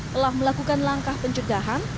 telah melakukan langkah pencegahan